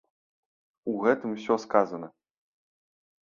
І гэтым усё сказана!